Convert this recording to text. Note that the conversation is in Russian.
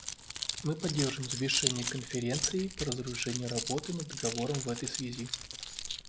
Мы поддерживаем завершение Конференцией по разоружению работы над договором в этой связи.